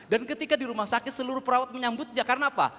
dan ketika di rumah sakit seluruh perawat menyambutnya karena apa